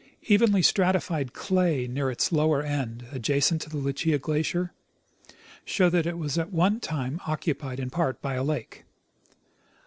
Evenly stratified clays near its lower end, adjacent to the Lucia glacier, show that it was at one time occuj^ied in part by a lake.